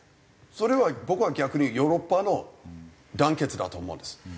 それは僕は逆にヨーロッパの団結だと思うんです。